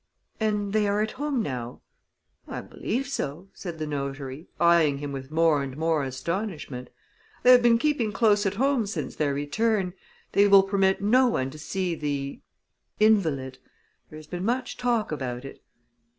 "And they are at home now?" "I believe so," said the notary, eying him with more and more astonishment. "They have been keeping close at home since their return they will permit no one to see the invalid. There has been much talk about it."